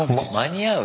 間に合う？